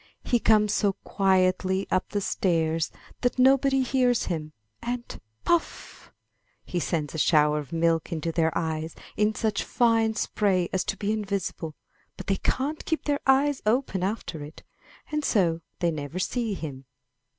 He comes so quietly up the stairs that nobody hears him; and, puff! he sends a shower of milk into their eyes in such fine spray as to be invisible; but they can't keep their eyes open after it, and so they never see him.